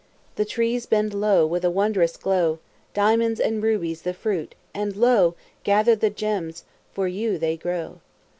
The trees bend low with a wondrous glows Diamonds and rubies the fruit, and lo, Gather the gems, for you they grow.